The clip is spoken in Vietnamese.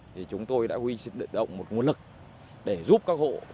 thì chúng tôi đã huy động một nguồn lực để giúp các hộ